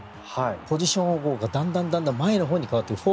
ポジションがだんだん前のほうに変わっていく４